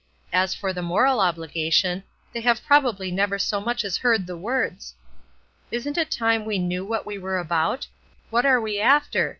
As for the moral obligation, they have probably never so much as heard the words. "Isn't it time we knew what we were about? What are we after?